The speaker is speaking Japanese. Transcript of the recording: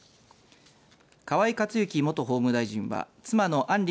河井克行元法務大臣は妻の案